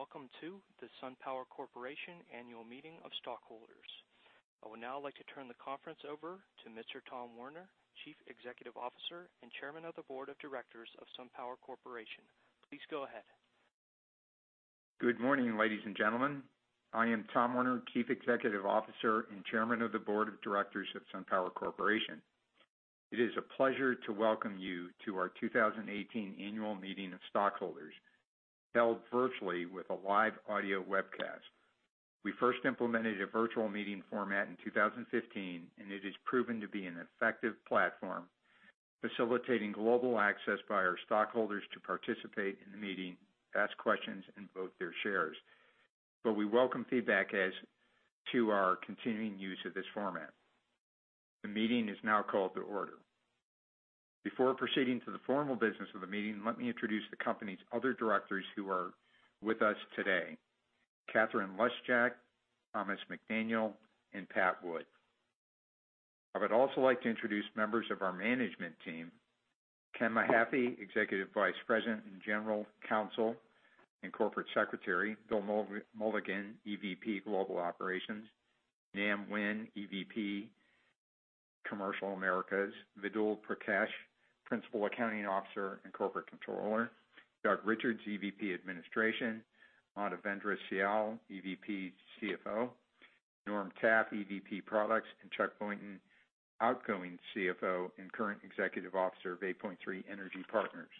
Morning, welcome to the SunPower Corporation Annual Meeting of Stockholders. I would now like to turn the conference over to Mr. Tom Werner, Chief Executive Officer and Chairman of the Board of Directors of SunPower Corporation. Please go ahead. Good morning, ladies and gentlemen. I am Tom Werner, Chief Executive Officer and Chairman of the Board of Directors of SunPower Corporation. It is a pleasure to welcome you to our 2018 annual meeting of stockholders, held virtually with a live audio webcast. We first implemented a virtual meeting format in 2015, it has proven to be an effective platform, facilitating global access by our stockholders to participate in the meeting, ask questions, and vote their shares. We welcome feedback as to our continuing use of this format. The meeting is now called to order. Before proceeding to the formal business of the meeting, let me introduce the company's other directors who are with us today, Catherine Lesjak, Thomas McDaniel, and Pat Wood. I would also like to introduce members of our management team, Ken Mahaffey, Executive Vice President and General Counsel and Corporate Secretary, Bill Mulligan, EVP, Global Operations, Nam Nguyen, EVP, Commercial Americas, Vidul Prakash, Principal Accounting Officer and Corporate Controller, Doug Richards, EVP, Administration, Manavendra Sial, EVP, CFO, Norm Taffe, EVP, Products, and Charles Boynton, outgoing CFO and current Executive Officer of 8point3 Energy Partners.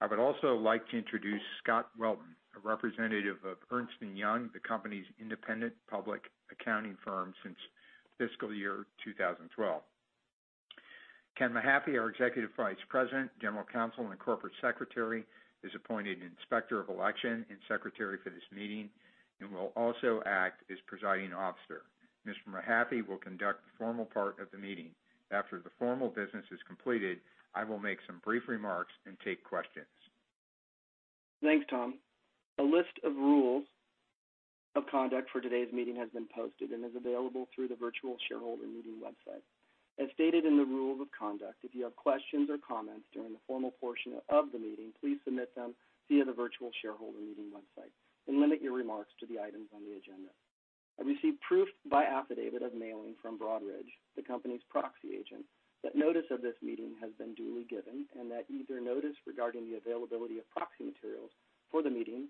I would also like to introduce Scott Welton, a representative of Ernst & Young, the company's independent public accounting firm since fiscal year 2012. Ken Mahaffey, our Executive Vice President, General Counsel, and Corporate Secretary, is appointed Inspector of Election and Secretary for this meeting and will also act as presiding officer. Mr. Mahaffey will conduct the formal part of the meeting. After the formal business is completed, I will make some brief remarks and take questions. Thanks, Tom. A list of rules of conduct for today's meeting has been posted and is available through the virtual shareholder meeting website. As stated in the rules of conduct, if you have questions or comments during the formal portion of the meeting, please submit them via the virtual shareholder meeting website and limit your remarks to the items on the agenda. I received proof by affidavit of mailing from Broadridge, the company's proxy agent, that notice of this meeting has been duly given and that either notice regarding the availability of proxy materials for the meeting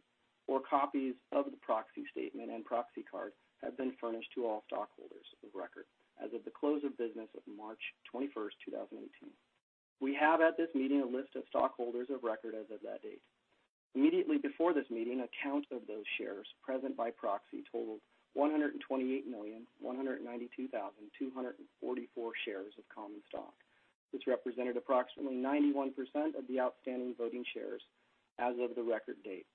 or copies of the proxy statement and proxy card have been furnished to all stockholders of record as of the close of business of March 21st, 2018. We have at this meeting a list of stockholders of record as of that date. Immediately before this meeting, a count of those shares present by proxy totaled 128,192,244 shares of common stock, which represented approximately 91% of the outstanding voting shares as of the record date.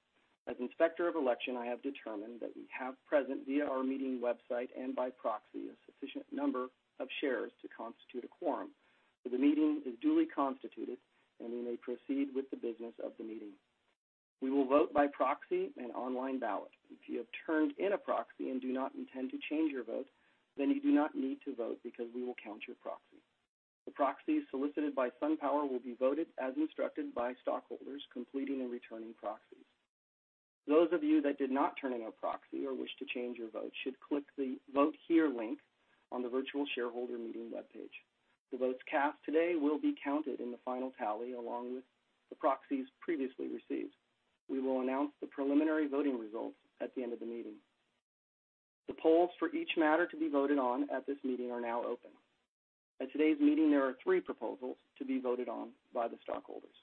As Inspector of Election, I have determined that we have present via our meeting website and by proxy, a sufficient number of shares to constitute a quorum, for the meeting is duly constituted, and we may proceed with the business of the meeting. We will vote by proxy and online ballot. If you have turned in a proxy and do not intend to change your vote, then you do not need to vote because we will count your proxy. The proxies solicited by SunPower will be voted as instructed by stockholders completing and returning proxies. Those of you that did not turn in a proxy or wish to change your vote should click the Vote Here link on the virtual shareholder meeting webpage. The votes cast today will be counted in the final tally, along with the proxies previously received. We will announce the preliminary voting results at the end of the meeting. The polls for each matter to be voted on at this meeting are now open. At today's meeting, there are three proposals to be voted on by the stockholders.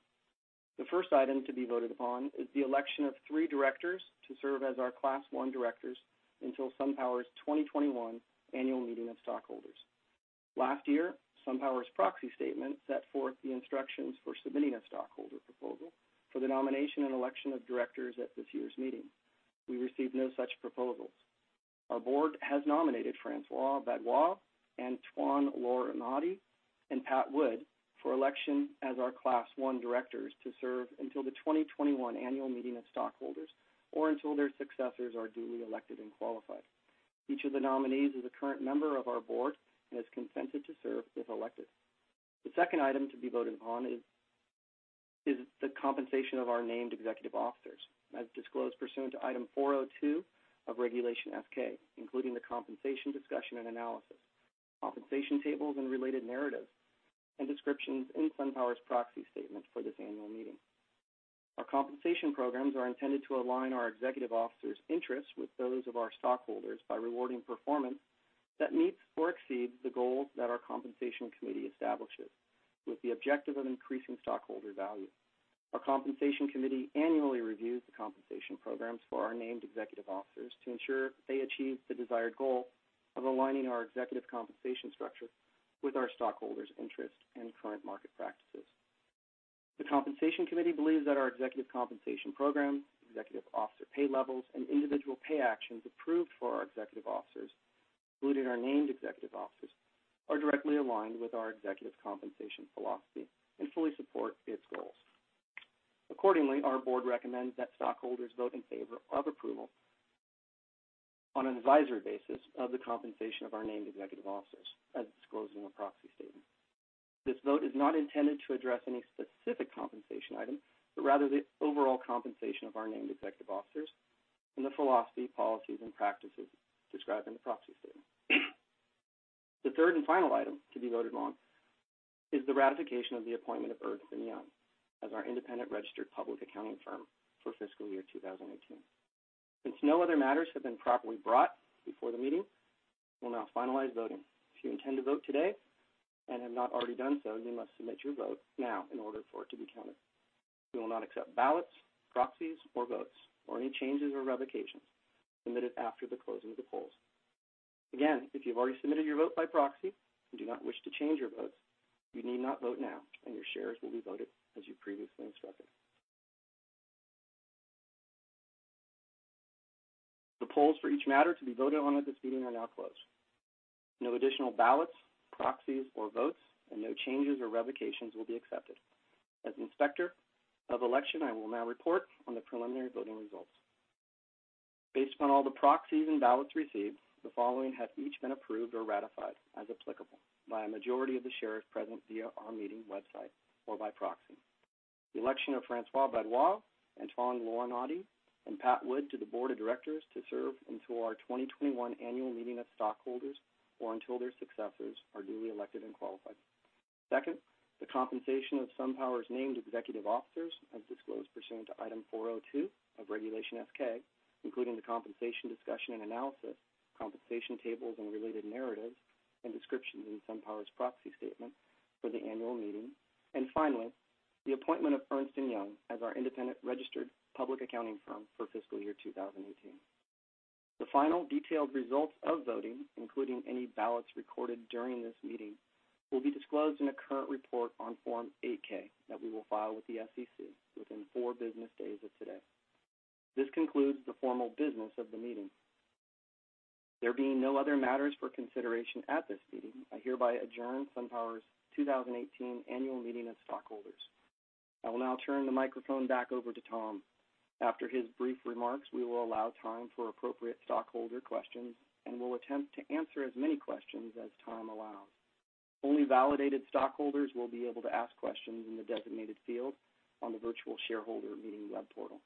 The first item to be voted upon is the election of three directors to serve as our Class I directors until SunPower's 2021 annual meeting of stockholders. Last year, SunPower's proxy statement set forth the instructions for submitting a stockholder proposal for the nomination and election of directors at this year's meeting. We received no such proposals. Our Board has nominated François Badoual, Antoine Larenaudie, and Pat Wood for election as our Class I directors to serve until the 2021 annual meeting of stockholders or until their successors are duly elected and qualified. Each of the nominees is a current member of our Board and has consented to serve if elected. The second item to be voted upon is the compensation of our named executive officers, as disclosed pursuant to Item 402 of Regulation S-K, including the compensation discussion and analysis, compensation tables and related narratives, and descriptions in SunPower's proxy statement for this annual meeting. Our compensation programs are intended to align our executive officers' interests with those of our stockholders by rewarding performance that meets or exceeds the goals that our Compensation Committee establishes with the objective of increasing stockholder value. Our Compensation Committee annually reviews the compensation programs for our named executive officers to ensure they achieve the desired goal of aligning our executive compensation structure with our stockholders' interests and current market practices. The Compensation Committee believes that our executive compensation programs, executive officer pay levels, and individual pay actions approved for our executive officers, including our named executive officers, are directly aligned with our executive compensation philosophy and fully support its goals. Accordingly, our Board recommends that stockholders vote in favor of approval on an advisory basis of the compensation of our named executive officers as disclosed in the proxy statement. This vote is not intended to address any specific compensation item, but rather the overall compensation of our named executive officers and the philosophy, policies, and practices described in the proxy statement. The third and final item to be voted on is the ratification of the appointment of Ernst & Young as our independent registered public accounting firm for fiscal year 2018. Since no other matters have been properly brought before the meeting, we'll now finalize voting. If you intend to vote today and have not already done so, you must submit your vote now in order for it to be counted. We will not accept ballots, proxies or votes, or any changes or revocations submitted after the closing of the polls. Again, if you've already submitted your vote by proxy and do not wish to change your votes, you need not vote now, and your shares will be voted as you previously instructed. The polls for each matter to be voted on at this meeting are now closed. No additional ballots, proxies, or votes, and no changes or revocations will be accepted. As Inspector of Election, I will now report on the preliminary voting results. Based upon all the proxies and ballots received, the following have each been approved or ratified as applicable by a majority of the shares present via our meeting website or by proxy. The election of François Badoual, Antoine Larenaudie, and Pat Wood to the Board of Directors to serve until our 2021 annual meeting of stockholders or until their successors are duly elected and qualified. Second, the compensation of SunPower's named executive officers, as disclosed pursuant to Item 402 of Regulation S-K, including the compensation discussion and analysis, compensation tables and related narratives, and descriptions in SunPower's proxy statement for the annual meeting. Finally, the appointment of Ernst & Young as our independent registered public accounting firm for fiscal year 2018. The final detailed results of voting, including any ballots recorded during this meeting, will be disclosed in a current report on Form 8-K that we will file with the SEC within four business days of today. This concludes the formal business of the meeting. There being no other matters for consideration at this meeting, I hereby adjourn SunPower's 2018 Annual Meeting of Stockholders. I will now turn the microphone back over to Tom. After his brief remarks, we will allow time for appropriate stockholder questions and will attempt to answer as many questions as time allows. Only validated stockholders will be able to ask questions in the designated field on the virtual shareholder meeting web portal.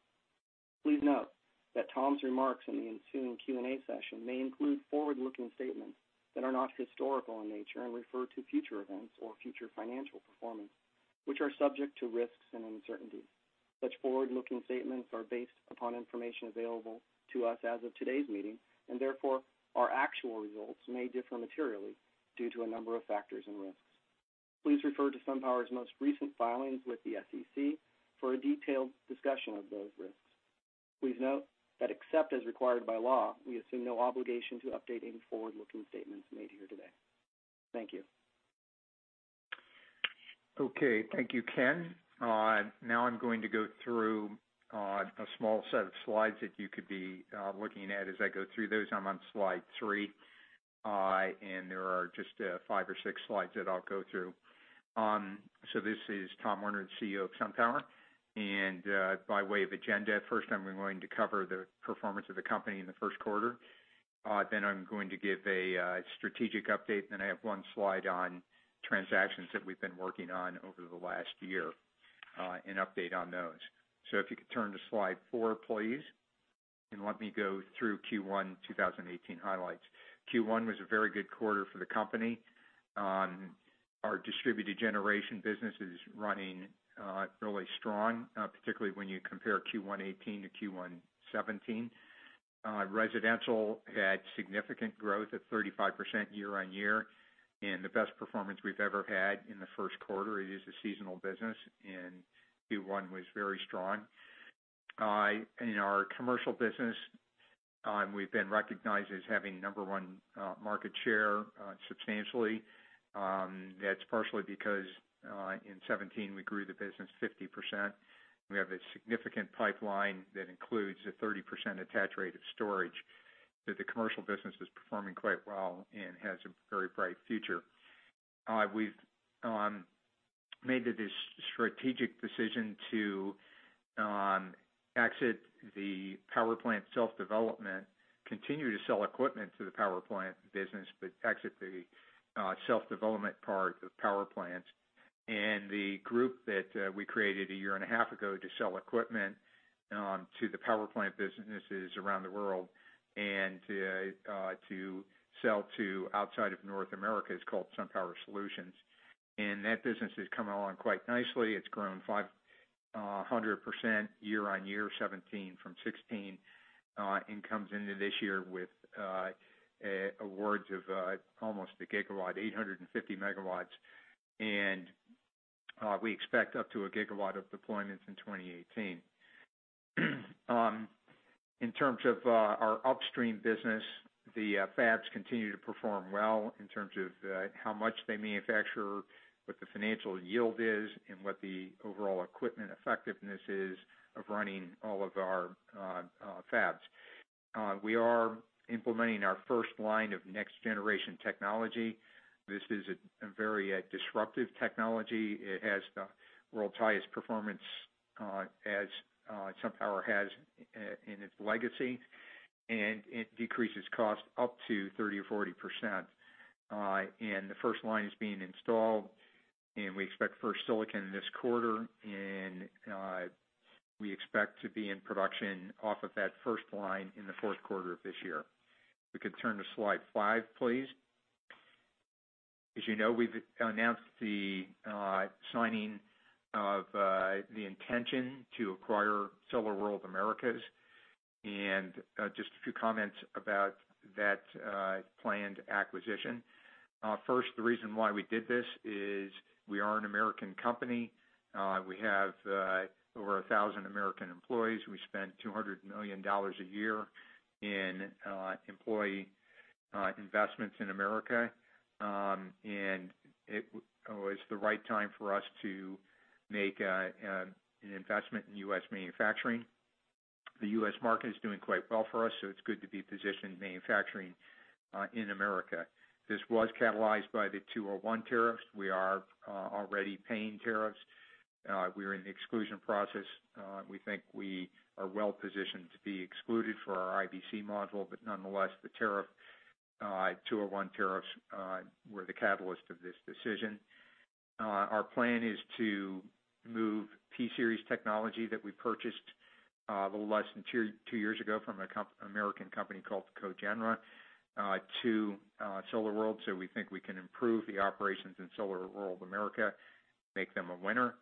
Please note that Tom's remarks in the ensuing Q&A session may include forward-looking statements that are not historical in nature and refer to future events or future financial performance, which are subject to risks and uncertainties. Such forward-looking statements are based upon information available to us as of today's meeting, therefore, our actual results may differ materially due to a number of factors and risks. Please refer to SunPower's most recent filings with the SEC for a detailed discussion of those risks. Please note that except as required by law, we assume no obligation to update any forward-looking statements made here today. Thank you. Thank you, Ken. I'm going to go through a small set of slides that you could be looking at as I go through those. I'm on slide three. There are just five or six slides that I'll go through. This is Tom Werner, the CEO of SunPower, and by way of agenda, first I'm going to cover the performance of the company in the first quarter. I'm going to give a strategic update. I have one slide on transactions that we've been working on over the last year, an update on those. If you could turn to slide four, please, and let me go through Q1 2018 highlights. Q1 was a very good quarter for the company. Our distributed generation business is running really strong, particularly when you compare Q1 2018 to Q1 2017. Residential had significant growth at 35% year-over-year and the best performance we've ever had in the first quarter. It is a seasonal business, and Q1 was very strong. In our commercial business, we've been recognized as having the number one market share substantially. That's partially because in 2017, we grew the business 50%. We have a significant pipeline that includes a 30% attached rate of storage, that the commercial business is performing quite well and has a very bright future. We've made the strategic decision to exit the power plant self-development, continue to sell equipment to the power plant business, but exit the self-development part of power plants. The group that we created a year and a half ago to sell equipment to the power plant businesses around the world and to sell to outside of North America is called SunPower Solutions. That business is coming along quite nicely. It's grown 500% year-over-year 2017 from 2016, and comes into this year with awards of almost a gigawatt, 850 megawatts. We expect up to a gigawatt of deployments in 2018. In terms of our upstream business, the fabs continue to perform well in terms of how much they manufacture, what the financial yield is, and what the overall equipment effectiveness is of running all of our fabs. We are implementing our first line of next-generation technology. This is a very disruptive technology. It has the world's highest performance as SunPower has in its legacy, and it decreases cost up to 30% or 40%. The first line is being installed, and we expect first silicon in this quarter. We expect to be in production off of that first line in the fourth quarter of this year. We could turn to slide five, please. As you know, we've announced the signing of the intention to acquire SolarWorld Americas. Just a few comments about that planned acquisition. First, the reason why we did this is we are an American company. We have over 1,000 American employees. We spend $200 million a year in employee investments in America. It's the right time for us to make an investment in U.S. manufacturing. The U.S. market is doing quite well for us, so it's good to be positioned manufacturing in America. This was catalyzed by the 201 tariffs. We are already paying tariffs. We are in the exclusion process. We think we are well-positioned to be excluded for our IBC module, but nonetheless, the 201 tariffs were the catalyst of this decision. Our plan is to move P-Series technology that we purchased a little less than 2 years ago from an American company called Cogenra to SolarWorld. We think we can improve the operations in SolarWorld Americas, make them a winner.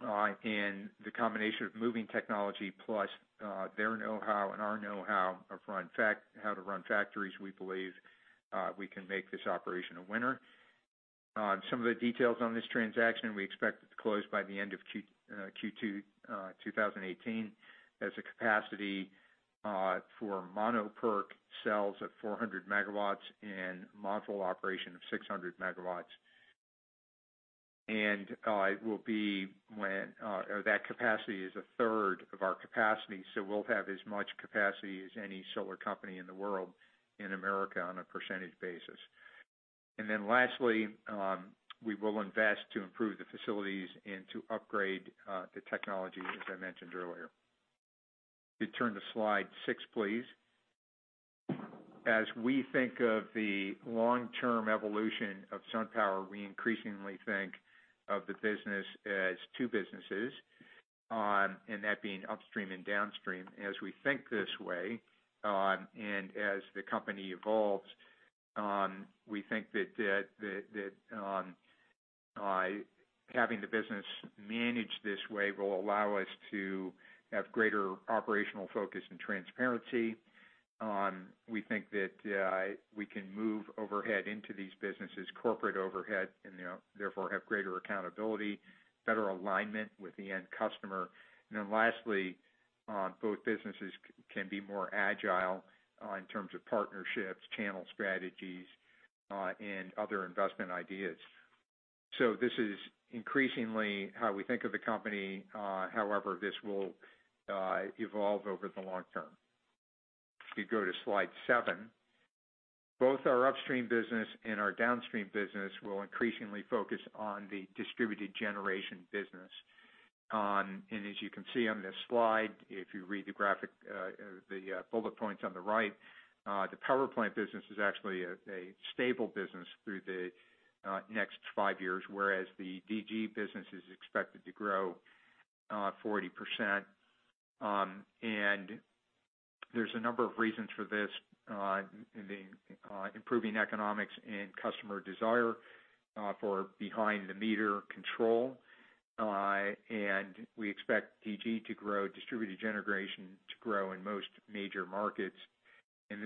The combination of moving technology plus their know-how and our know-how to run factories, we believe we can make this operation a winner. Some of the details on this transaction, we expect it to close by the end of Q2 2018. It has a capacity for mono PERC cells of 400 megawatts and module operation of 600 megawatts. That capacity is a third of our capacity, so we'll have as much capacity as any solar company in the world, in America, on a percentage basis. Lastly, we will invest to improve the facilities and to upgrade the technology, as I mentioned earlier. We turn to slide 6, please. As we think of the long-term evolution of SunPower, we increasingly think of the business as 2 businesses, and that being upstream and downstream. As we think this way, and as the company evolves, we think that having the business managed this way will allow us to have greater operational focus and transparency. We think that we can move overhead into these businesses, corporate overhead, and therefore have greater accountability, better alignment with the end customer. Lastly, both businesses can be more agile in terms of partnerships, channel strategies, and other investment ideas. This is increasingly how we think of the company. However, this will evolve over the long term. If you go to slide 7, both our upstream business and our downstream business will increasingly focus on the distributed generation business. As you can see on this slide, if you read the bullet points on the right, the power plant business is actually a stable business through the next 5 years, whereas the DG business is expected to grow 40%. There's a number of reasons for this, the improving economics and customer desire for behind-the-meter control. We expect DG, distributed generation, to grow in most major markets. This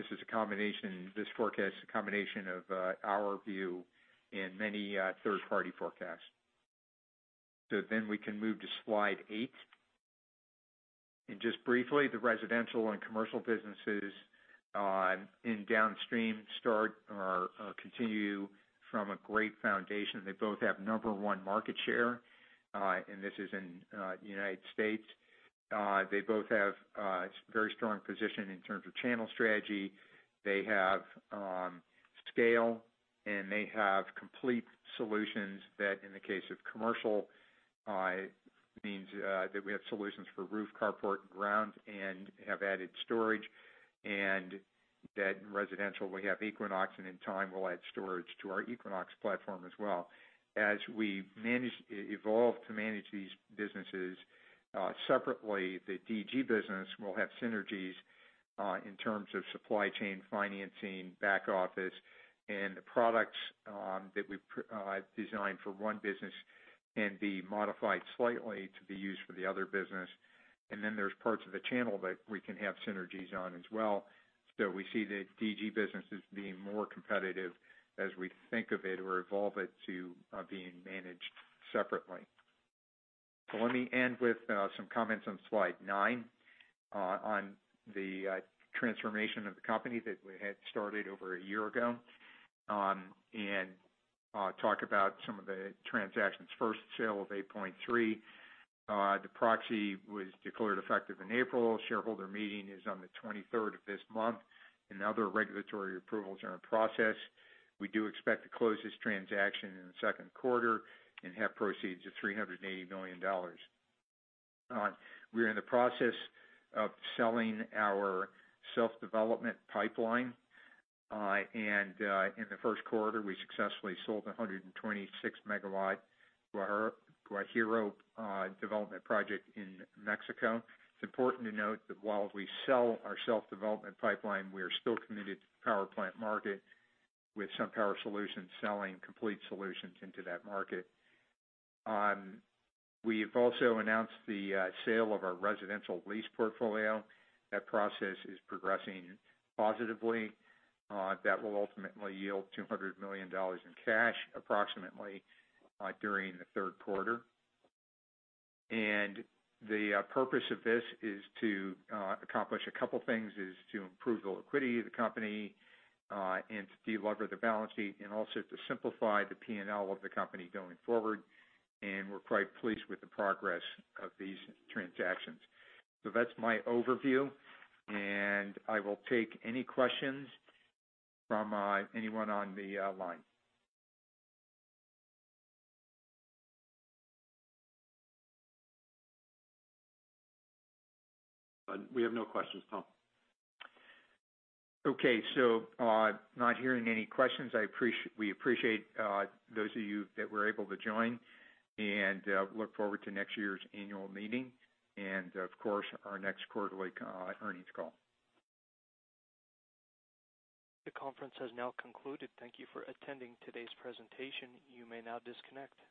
forecast is a combination of our view and many third-party forecasts. We can move to slide 8. Just briefly, the residential and commercial businesses in downstream continue from a great foundation. They both have number 1 market share, and this is in the U.S. They both have a very strong position in terms of channel strategy. They have scale, and they have complete solutions that, in the case of commercial, means that we have solutions for roof, carport, and ground, and have added storage. That in residential, we have Equinox, and in time, we'll add storage to our Equinox platform as well. As we evolve to manage these businesses separately, the DG business will have synergies in terms of supply chain financing, back office, and the products that we've designed for 1 business can be modified slightly to be used for the other business. There's parts of the channel that we can have synergies on as well. We see the DG businesses being more competitive as we think of it or evolve it to being managed separately. Let me end with some comments on slide nine on the transformation of the company that we had started over a year ago, and talk about some of the transactions. First sale of 8point3. The proxy was declared effective in April. Shareholder meeting is on the 23rd of this month, and other regulatory approvals are in process. We do expect to close this transaction in the second quarter and have proceeds of $380 million. We're in the process of selling our self-development pipeline. In the first quarter, we successfully sold 126 MW to our Guajiro development project in Mexico. It's important to note that while we sell our self-development pipeline, we are still committed to the power plant market with SunPower Solutions selling complete solutions into that market. We've also announced the sale of our residential lease portfolio. That process is progressing positively. That will ultimately yield $200 million in cash, approximately during the third quarter. The purpose of this is to accomplish a couple of things, is to improve the liquidity of the company and to de-lever the balance sheet, and also to simplify the P&L of the company going forward. We're quite pleased with the progress of these transactions. That's my overview, and I will take any questions from anyone on the line. We have no questions, Tom. Okay. Not hearing any questions. We appreciate those of you that were able to join and look forward to next year's annual meeting and, of course, our next quarterly earnings call. The conference has now concluded. Thank you for attending today's presentation. You may now disconnect.